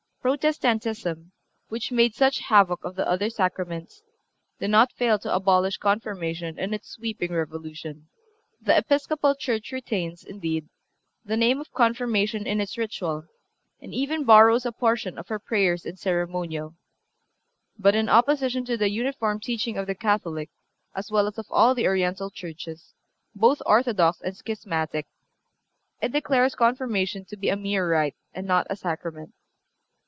Protestantism, which made such havoc of the other Sacraments, did not fail to abolish Confirmation in its sweeping revolution. The Episcopal church retains, indeed, the name of Confirmation in its ritual, and even borrows a portion of our prayers and ceremonial. But, in opposition to the uniform teaching of the Catholic, as well as of all the Oriental churches, both orthodox and schismatic, it declares Confirmation to be a mere rite and not a Sacrament.